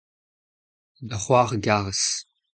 da c'hoar a gares.